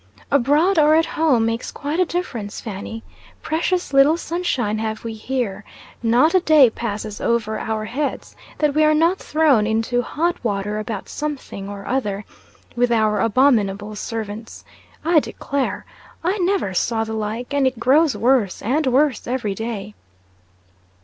"Abroad, or at home, makes quite a difference, Fanny. Precious little sunshine have we here. Not a day passes over our heads, that we are not thrown into hot water about something or other, with our abominable servants. I declare! I never saw the like, and it grows worse and worse every day."